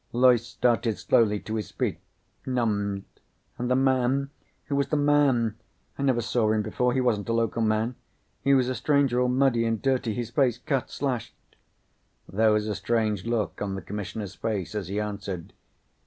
Loyce started slowly to his feet, numbed. "And the man. Who was the man? I never saw him before. He wasn't a local man. He was a stranger. All muddy and dirty, his face cut, slashed " There was a strange look on the Commissioner's face as he answered.